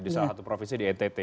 di salah satu provinsi di ntt